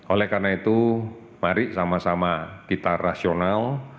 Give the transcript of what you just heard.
oleh karena itu mari sama sama kita rasional